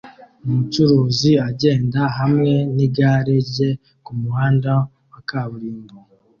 Umucuruzi agenda hamwe nigare rye kumuhanda wa kaburimbo